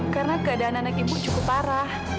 karena keadaan anak ibu cukup parah